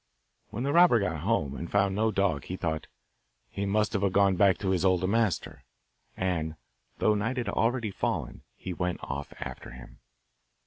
When the robber got home and found no dog he thought 'He must have gone back to his old master,' and, though night had already fallen, he went off after him.